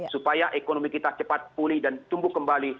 supaya ekonomi kita cepat pulih dan tumbuh kembali